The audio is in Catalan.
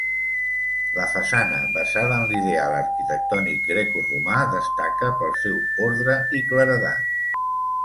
La façana, basada en l'ideal arquitectònic grecoromà, destaca pel seu ordre i claredat.